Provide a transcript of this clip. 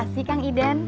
makasih kang iden